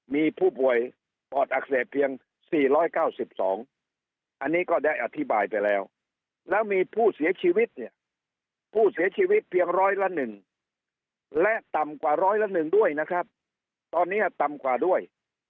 มีผู้ป่วยปอดอักเสบเพียง๔๙๒อันนี้ก็ได้อธิบายไปแล้วแล้วมีผู้เสียชีวิตเนี่ยผู้เสียชีวิตเพียงร้อยละ๑และต่ำกว่าร้อยละ๑ด้วยนะครับตอนนี้ต่ำกว่าด้วย